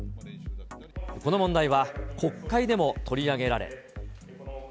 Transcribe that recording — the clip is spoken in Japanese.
この問題は国会でも取り上げられ。